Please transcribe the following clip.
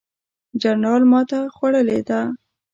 جنرال ماته خوړلې ده.